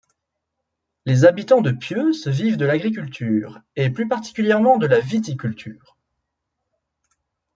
Les habitants de Pieusse vivent de l'agriculture et plus particulièrement de la viticulture.